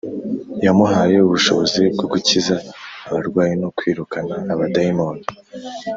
yamuhaye ubushobozi bwo gukiza abarwayi no kwirukana abadayimoni